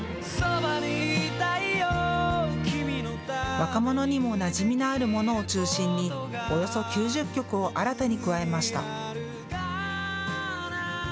若者にもなじみのあるものを中心に、およそ９０曲を新たに加えました。